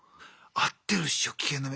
遭ってるっしょ危険な目。